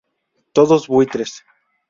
Todos buitres.